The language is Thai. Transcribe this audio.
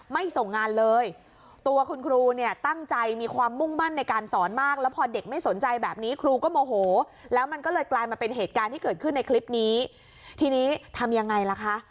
ไม่ส่งงานเลยตัวคุณครูเนี่ยตั้งใจมีความมุ่งมั่นในการสอนมากแล้วพอเด็กไม่สนใจแบบนี้ครูก็โมโหแล้วมันก็เลยกลายมาเป็นเหตุการณ์ที่เกิดขึ้นในคลิปนี้ทีนี้ทำยังไงล่ะคะ